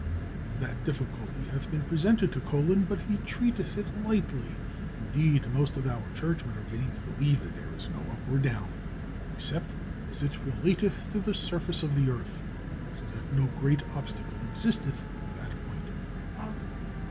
"That difficulty hath been presented to Colon, but he treateth it lightly. Indeed, most of our churchmen are getting to believe that there is no up or down, except as it relateth to the surface of the earth ; so that no great obstacle existeth in that point."